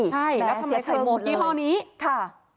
ใช่แล้วทำไมใส่โมกยี่ห้อนี้ค่ะ